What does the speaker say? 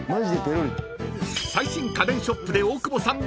［最新家電ショップで大久保さん